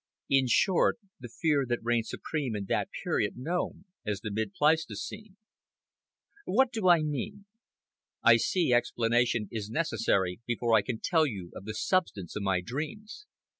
In short, the fear that reigned supreme in that period known as the Mid Pleistocene. What do I mean? I see explanation is necessary before I can tell you of the substance of my dreams.